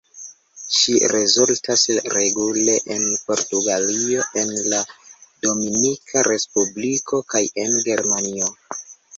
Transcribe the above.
Ŝi rezultas regule en Portugalio, en la Dominika Respubliko kaj en Germanio.